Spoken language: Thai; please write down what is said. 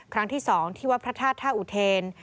ครั้งที่๒ที่วัดพระธาตุท่าอุเทน